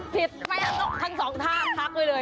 ผิดไม่ต้องทั้ง๒ธาตุภัยเลยไปดู